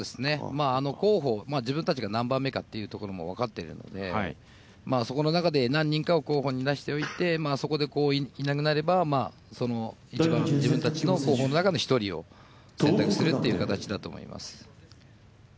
候補、自分たちが何番目かというのも分かっているので、そこの中で何人かを候補に出しておいていなくなれば一番自分たちの候補の中での１人を選択するという形だと思います。